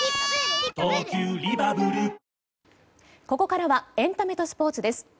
ここからはエンタメとスポーツです。